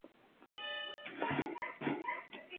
A Journal of Self-Discovery".